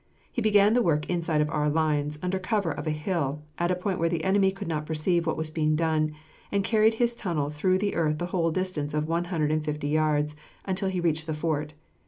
He began the work inside of our lines, under cover of a hill, at a point where the enemy could not perceive what was being done, and carried his tunnel through the earth the whole distance of one hundred and fifty yards, until he reached the fort.